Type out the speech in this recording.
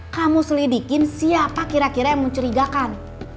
kamu selidikin siapa kira kira yang mencurigakan